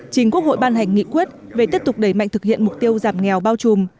chính quốc hội ban hành nghị quyết về tiếp tục đẩy mạnh thực hiện mục tiêu giảm nghèo bao trùm